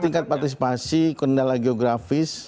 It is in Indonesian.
tingkat partisipasi kendala geografis